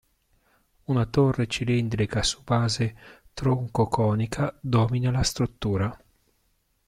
Una torre cilindrica su base troncoconica domina la struttura.